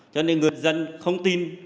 cho nên người dân không tin